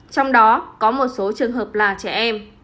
trong đó có một số trường hợp là trẻ em